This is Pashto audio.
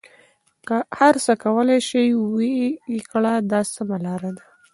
هر څه کولای شې ویې کړه دا سمه لاره ده.